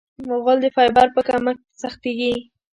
غول د فایبر په کمښت سختېږي.